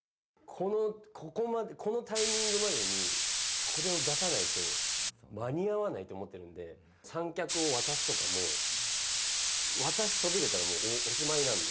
このタイミングまでに、これを出さないと間に合わないと思ったので、三脚を渡すとかも、渡しそびれたらおしまいなんで。